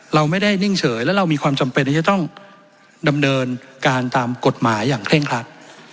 เราไม่ได้นิ่งเฉยและเรามีความจำเป็นที่จะต้องดำเนินการตามกฎหมายอย่างเคร่งครัด